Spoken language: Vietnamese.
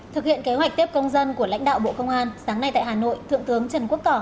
thực hiện kế hoạch tiếp công dân của lãnh đạo bộ công an sáng nay tại hà nội thượng tướng trần quốc tỏ